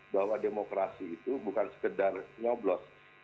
bahwa demokrasi itu bukan sekedar nyoblos